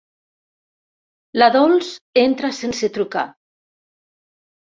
La Dols entra sense trucar.